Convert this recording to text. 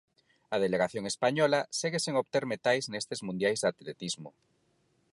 A delegación española segue sen obter metais nestes mundiais de atletismo.